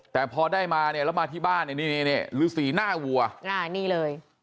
แต่พอได้มาเนี่ยแล้วมาที่บ้านเนี่ยนี่นี่นี่นี่หรือสีหน้าวัวอ่านี่เลย